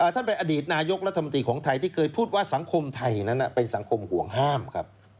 ท่านเป็นอดีตนายกรัฐมนตรีของไทยที่เคยพูดว่าสังคมไทยนั้นเป็นสังคมห่วงห้ามครับ